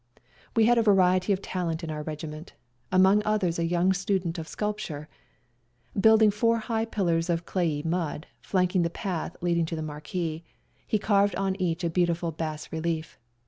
We had a variety of talent in our regi ment ; among others a young student of sculpture. Building four high pillars of clayey mud flanking the path leading to the marquee, he carved on each a beautiful bas relief.